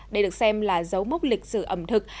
đây được xem là dấu mốc lịch sử ẩm thực